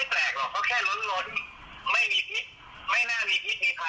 พี่ชมภูกก็บอกว่าจริงน้องก็ไม่น่าจะเป็นคนมีพิษมีภัยนะเดี๋ยวไปฟังเสียงพี่ชมภูกันจ้า